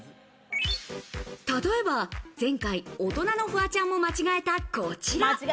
例えば前回、大人のフワちゃんも間違えた、こちら。